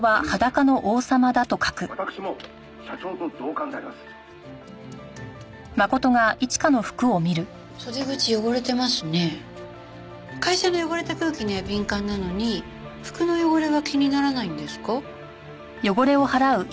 会社の汚れた空気には敏感なのに服の汚れは気にならないんですか？